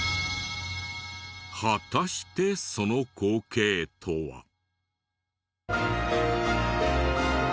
果たしてその光景とは。